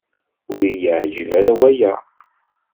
Ur yi-yeεǧib ara waya.